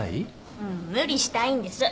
無理したいんです。